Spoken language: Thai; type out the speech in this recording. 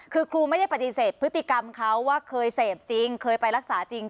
คือครูไม่ได้ปฏิเสธพฤติกรรมเขาว่าเคยเสพจริงเคยไปรักษาจริง